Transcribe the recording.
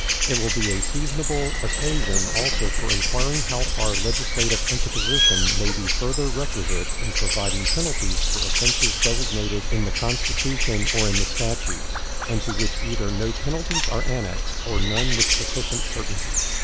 It will be a seasonable occasion also for inquiring how far legislative interposition may be further requisite in providing penalties for offenses designated in the Constitution or in the statutes, and to which either no penalties are annexed or none with sufficient certainty.